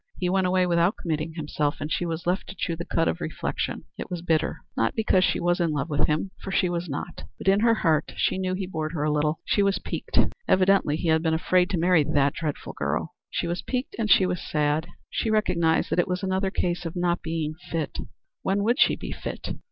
He went away without committing himself, and she was left to chew the cud of reflection. It was bitter, not because she was in love with him, for she was not. In her heart she knew he bored her a little. But she was piqued. Evidently he had been afraid to marry "that dreadful girl." She was piqued and she was sad. She recognized that it was another case of not being fit. When would she be fit?